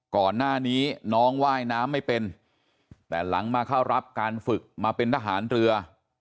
ก่อนหน้านี้น้องว่ายน้ำไม่เป็นแต่หลังมาเข้ารับการฝึกมาเป็นทหารเรือ